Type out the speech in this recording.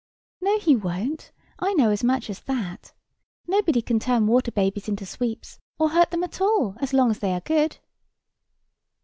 "No, he won't—I know as much as that. Nobody can turn water babies into sweeps, or hurt them at all, as long as they are good."